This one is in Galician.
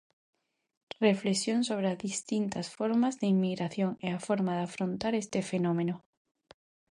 Reflexión sobre as distintas formas de inmigración e a forma de afrontar este fenómeno.